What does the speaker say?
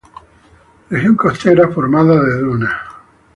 Región costera formada de dunas.